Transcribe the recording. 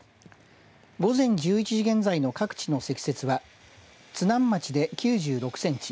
午前１１時現在の各地の積雪は津南町で９６センチ